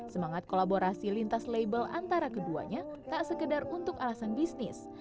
semangat kolaborasi lintas label antara keduanya tak sekedar untuk alasan bisnis